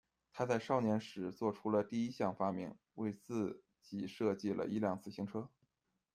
他在少年时期做出了第一项发明：为自己设计了一辆自行车。